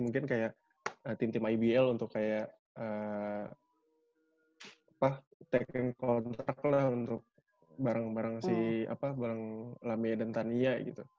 mungkin kayak tim tim ibl untuk kayak taking kontrak lah untuk barang barang si barang lame dan tania gitu